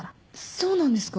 そうなんですか？